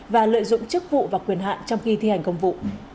và lợi dụng chức vụ và quyền hạn trong khi thi hành công vụ